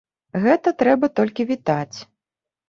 Гэта трэба толькі вітаць.